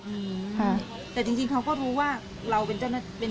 อืมแต่จริงเขาก็รู้ว่าเราเป็นพนักงาน